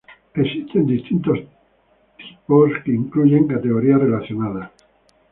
Existen distintos tipos grupos que incluyen categorías relacionadas.